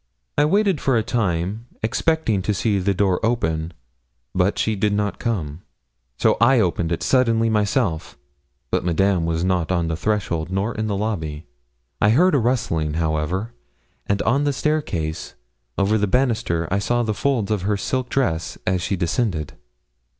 I waited for a time, expecting to see the door open, but she did not come; so I opened it suddenly myself, but Madame was not on the threshold nor on the lobby. I heard a rustling, however, and on the staircase over the banister I saw the folds of her silk dress as she descended.